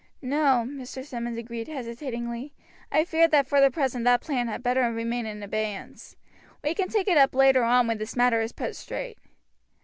"No," Mr. Simmonds agreed hesitatingly, "I fear that for the present that plan had better remain in abeyance; we can take it up again later on when this matter is put straight."